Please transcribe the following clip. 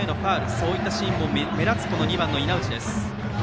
そういったシーンも目立つ２番の稲内です。